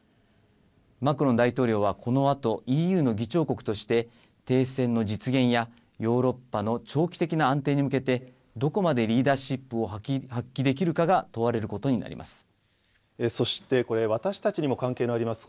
マクロン大統領はこのあと、ＥＵの議長国として、停戦の実現やヨーロッパの長期的な安定に向けて、どこまでリーダーシップを発揮でそして、私たちにも関係があります